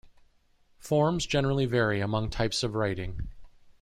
Forms generally vary among types of writing.